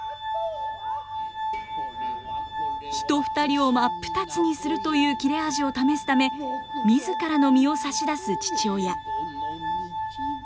人２人を真っ二つにするという切れ味を試すため自らの身を差し出す父親。